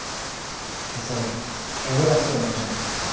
別に犬が好きなわけじゃなくて。